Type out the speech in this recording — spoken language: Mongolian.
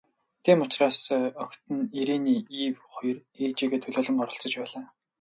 Тийм учраас охид нь, Ирене Эве хоёр ээжийгээ төлөөлөн оролцож байлаа.